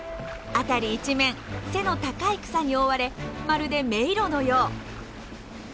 辺り一面背の高い草に覆われまるで迷路のよう。